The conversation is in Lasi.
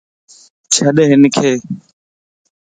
ڇڏ ھنکِ